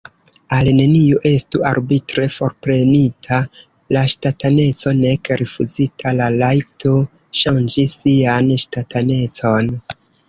Al neniu estu arbitre forprenita la ŝtataneco, nek rifuzita la rajto ŝanĝi sian ŝtatanecon.